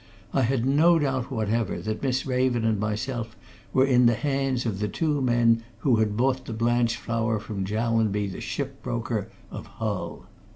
I had no doubt whatever that Miss Raven and myself were in the hands of the two men who had bought the Blanchflower from Jallanby, the ship broker of Hull.